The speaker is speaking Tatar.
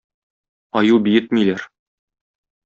Аю биетмиләр.